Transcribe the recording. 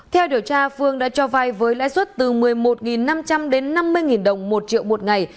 theo điều tra phương đã cho vai với lãi suất từ một mươi một năm trăm linh đến năm mươi đồng một triệu một ngày